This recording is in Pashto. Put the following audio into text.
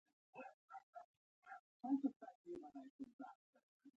خبریال او خبریالي باید بې طرفه اوسي.